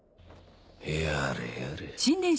やれやれ。